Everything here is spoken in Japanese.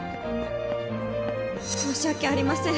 申し訳ありません。